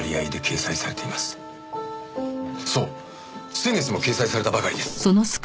先月も掲載されたばかりです。